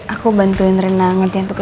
aku bantuin rina ngerti tugas dulu ya